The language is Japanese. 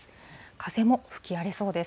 風も吹き荒れそうです。